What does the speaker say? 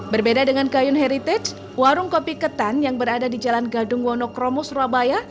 berbeda dengan kayun heritage warung kopi ketan yang berada di jalan gadung wonokromo surabaya